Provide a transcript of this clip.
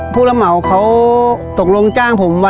ผู้ระเหมาเขาตกลงจ้างผมว่า